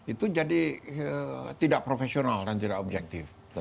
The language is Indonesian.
itu jadi tidak profesional dan tidak objektif